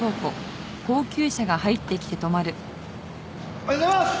おはようございます！